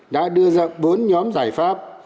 đã đưa ra bốn nhóm giải pháp